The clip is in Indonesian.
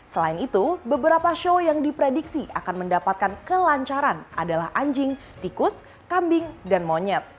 selain itu beberapa show yang diprediksi akan mendapatkan kelancaran adalah anjing tikus kambing dan monyet